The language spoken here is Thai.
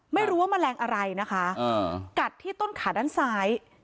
ไม่รู้ว่าแมลงอะไรนะคะกัดที่ต้นขาด้านซ้าย